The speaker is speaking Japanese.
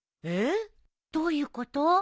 えっ？どういうこと？